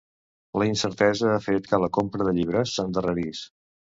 La incertesa ha fet que la compra de llibres s'endarrerís.